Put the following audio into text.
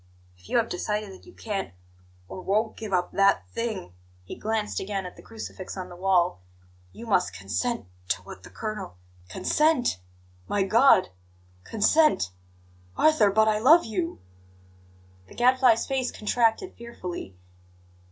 If you have decided that you can't, or won't, give up that thing" he glanced again at the crucifix on the wall "you must consent to what the colonel " "Consent! My God consent Arthur, but I love you!" The Gadfly's face contracted fearfully.